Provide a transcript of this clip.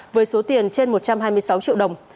với số tiền trên một trăm hai mươi sáu triệu đồng